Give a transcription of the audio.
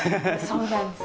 そうなんです。